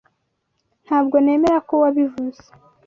Ntabwo nemera ko wabivuze.